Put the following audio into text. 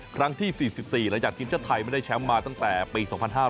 ครั้งที่๔๔ระยะทีมเจ้าไทยมันได้แชมป์มาตั้งแต่ปี๒๕๕๒